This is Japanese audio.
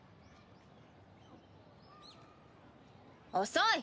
遅い！